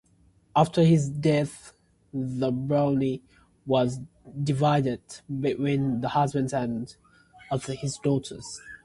After his death, the Barony was divided between the husbands of his daughters.